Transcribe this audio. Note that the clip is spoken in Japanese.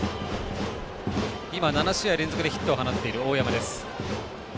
今、７試合連続でヒットを放っている大山。